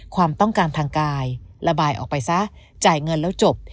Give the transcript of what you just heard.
ความต้องการทางกายระบายออกไปซะจ่ายเงินแล้วจบ